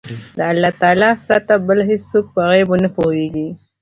د الله تعالی پرته بل هيڅوک په غيبو نه پوهيږي